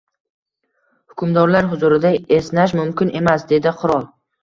Hukmdorlar huzurida esnash mumkin emas, — dedi qirol.